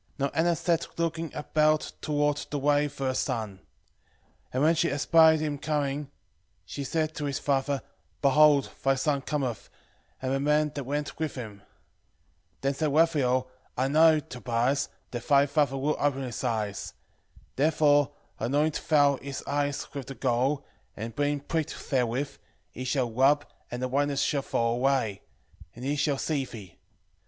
11:5 Now Anna sat looking about toward the way for her son. 11:6 And when she espied him coming, she said to his father, Behold, thy son cometh, and the man that went with him. 11:7 Then said Raphael, I know, Tobias, that thy father will open his eyes. 11:8 Therefore anoint thou his eyes with the gall, and being pricked therewith, he shall rub, and the whiteness shall fall away, and he shall see thee.